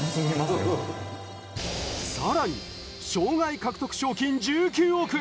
さらに生涯獲得賞金１９億円。